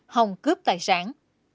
hồng cướp tài sản